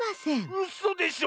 うそでしょ